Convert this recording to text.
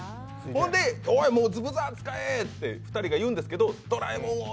ほんで、もうブザー使えって２人が言うんですけど、ドラえもんを。